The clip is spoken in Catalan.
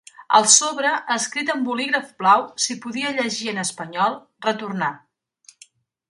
Al sobre, escrit amb bolígraf blau, s’hi podia llegir en espanyol: Retornar.